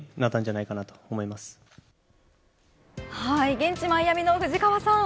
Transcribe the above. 現地マイアミの藤川さん